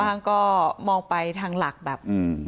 บ้างก็มองไปทางหลักแบบ